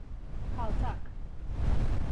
Kaltak!